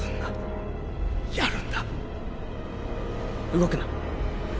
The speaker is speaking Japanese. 動くな。